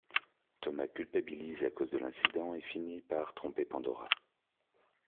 Thomas culpabilise à cause de l'incident et finit par tromper Pandora.